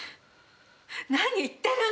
何言ってるの！